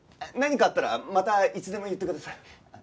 何かあったらまたいつでも言ってください。